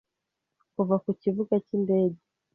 kuva ku kibuga cy’indege